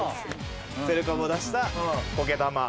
セルカ棒を出した苔玉。